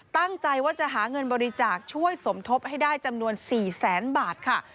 ตั้งใจว่าจะหาเงินบริจาคช่วยสมทบให้ได้จำนวน๔แสนบาทค่ะ